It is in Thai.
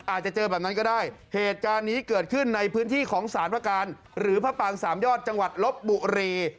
อาจจะเจอแบบนั้นก็ได้เหตุการณ์นี้เกิดขึ้นในพื้นที่ของสารพระการหรือพระปางสามยอดจังหวัดลบบุรี